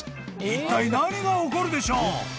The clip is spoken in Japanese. ［いったい何が起こるでしょう？］